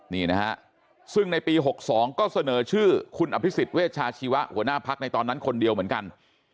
นี่นะฮะซึ่งในปี๖๒ก็เสนอชื่อคุณอภิษฎเวชาชีวะหัวหน้าพักในตอนนั้นคนเดียวเหมือนกัน